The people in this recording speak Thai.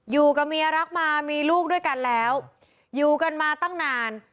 อยู่กับเมียรักมามีลูกด้วยกันแล้วอยู่กันมาตั้งนาน